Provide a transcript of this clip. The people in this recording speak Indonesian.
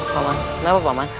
pak man kenapa pak man